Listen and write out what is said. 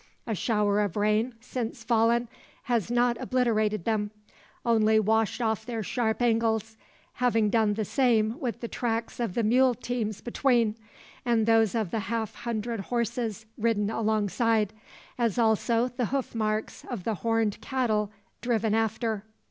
A shower of rain, since fallen, has not obliterated them; only washed off their sharp angles, having done the same with the tracks of the mule teams between, and those of the half hundred horses ridden alongside, as also the hoof marks of the horned cattle driven after.